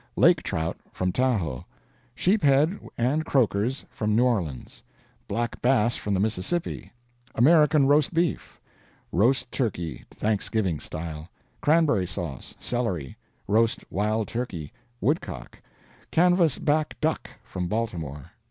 Lake trout, from Tahoe. Sheep head and croakers, from New Orleans. Black bass from the Mississippi. American roast beef. Roast turkey, Thanksgiving style. Cranberry sauce. Celery. Roast wild turkey. Woodcock. Canvas back duck, from Baltimore.